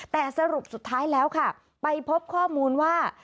แต่สรุปสุดท้ายแล้วค่ะไปพบข้อมูลว่า